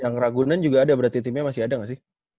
yang ragunan juga ada berarti timnya masih ada gak sih